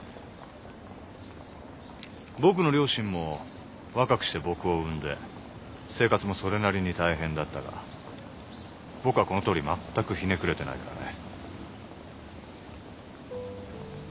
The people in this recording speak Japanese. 僕の両親も若くして僕を生んで生活もそれなりに大変だったが僕はこのとおり全くひねくれてないからね。